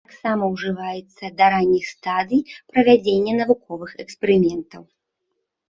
Таксама ўжываецца да ранніх стадый правядзення навуковых эксперыментаў.